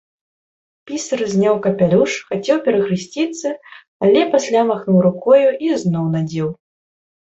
Пісар зняў капялюш, хацеў перахрысціцца, але пасля махнуў рукою і зноў надзеў.